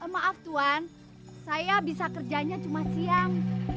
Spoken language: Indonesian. maaf tuhan saya bisa kerjanya cuma siang